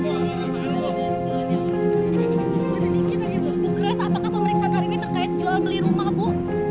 bu keras apakah pemeriksaan hari ini terkait jual beli rumah bu